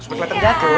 supaya saya terjatuh